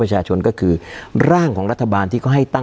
การแสดงความคิดเห็น